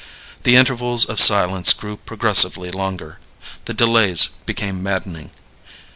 The intervals of silence grew progressively longer; the delays became maddening.